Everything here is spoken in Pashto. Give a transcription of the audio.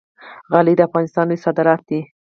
غالۍ د افغانستان لوی صادرات دي